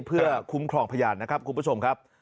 เพื่อคุ้มครองพยานนะครับคุณผู้ชมครับ